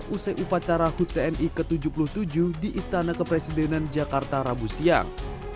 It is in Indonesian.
usai upacara hut tni ke tujuh puluh tujuh di istana kepresidenan jakarta rabu siang